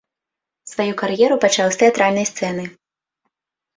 Сваю кар'еру пачаў з тэатральнай сцэны.